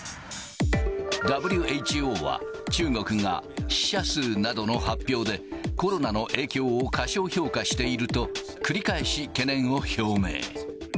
ＷＨＯは、中国が死者数などの発表で、コロナの影響を過少評価していると、繰り返し懸念を表明。